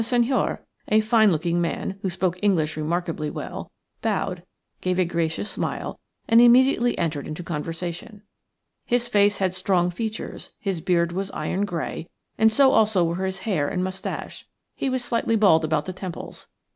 The Senhor, a fine looking man, who spoke English remarkably well, bowed, gave a gracious smile, and immediately entered into conversation. His face had strong features; his beard was iron grey, so also were his hair and moustache. He was slightly bald about the temples.